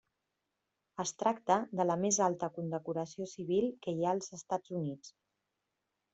Es tracta de la més alta condecoració civil que hi ha als Estats Units.